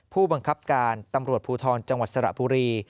ผู้บังคับการตำรวจภูทรจังหวัดสระบุรี